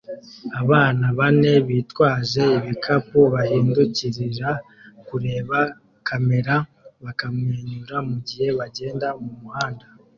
Abana bane bitwaje ibikapu bahindukirira kureba kamera bakamwenyura mugihe bagenda mumuhanda